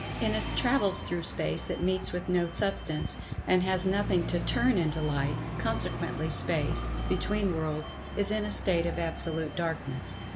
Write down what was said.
In its travels through space it meets with no Substance, and has nothing to "turn into light"—consequently Space (between worlds) is in a state of absolute darkness.